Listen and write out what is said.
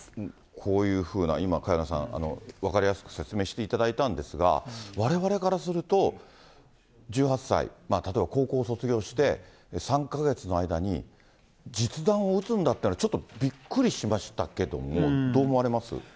こういうふうな今、萱野さん、分かりやすく説明していただいたんですが、われわれからすると、１８歳、例えば高校卒業して、３か月の間に、実弾を撃つんだっていうのはちょっとびっくりしましたけども、どう思われます？